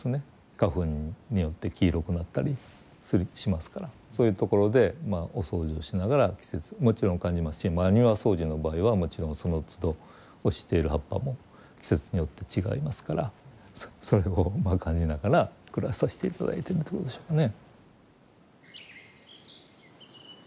花粉によって黄色くなったりしますからそういうところでお掃除をしながら季節をもちろん感じますし庭掃除の場合はもちろんそのつど落ちている葉っぱも季節によって違いますからそれを感じながら暮らさせて頂いてるということでしょうかね。